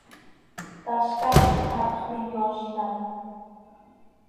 tazcam, hapxöl iyoozlam.